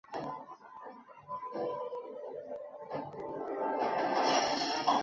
湖北贝母为百合科贝母属下的一个种。